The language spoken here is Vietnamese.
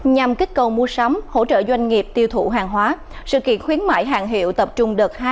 nhằm kích cầu mua sắm hỗ trợ doanh nghiệp tiêu thụ hàng hóa sự kiện khuyến mại hàng hiệu tập trung đợt hai